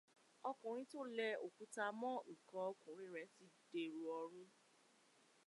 Ọkùnrin tó lẹ òkuta mọ́ ǹkan ọkùnrin rẹ̀ ti dèrò ọ̀run